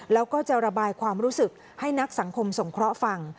แล้วก็จะระบายความรู้สึกให้นักสังคมสงเคราะห์ฟัง